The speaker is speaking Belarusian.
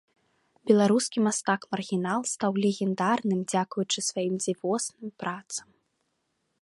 Беларускі мастак-маргінал стаў легендарным дзякуючы сваім дзівосным працам.